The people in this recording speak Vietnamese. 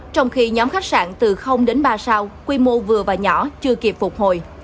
trong khi nhóm khách sạn từ đến ba sao quy mô vừa và nhỏ chưa kịp phục hồi